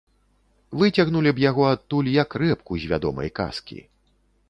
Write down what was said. Выцягнулі б яго адтуль, як рэпку з вядомай казкі.